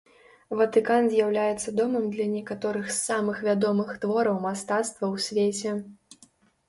Ватыкан з'яўляецца домам для некаторых з самых вядомых твораў мастацтва ў свеце.